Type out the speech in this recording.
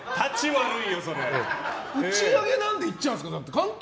打ち上げ何で行っちゃうんですか？